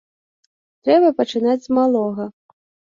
Трэба пачынаць з малога.